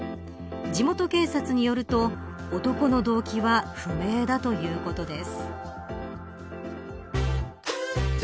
地元警察によると男の動機は不明だということです。